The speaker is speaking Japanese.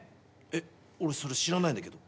えっ俺それ知らないんだけど。